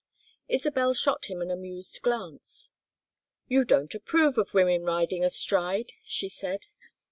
Isabel shot him an amused glance. "You don't approve of women riding astride," she said.